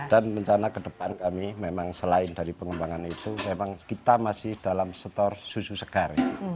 dan rencana ke depan kami memang selain dari pengembangan itu memang kita masih dalam store susu segar